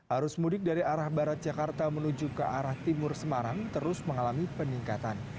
arus mudik dari arah barat jakarta menuju ke arah timur semarang terus mengalami peningkatan